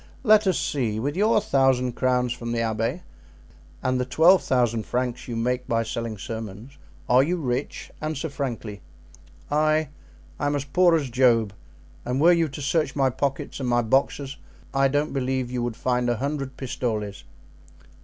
Let us see; with your thousand crowns from the abbey and the twelve thousand francs you make by selling sermons, are you rich? Answer frankly." "I? I am as poor as Job, and were you to search my pockets and my boxes I don't believe you would find a hundred pistoles."